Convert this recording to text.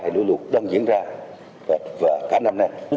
hay lũ lụt đang diễn ra cả năm nay